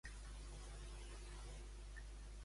Però, com se'l representa a Mègara?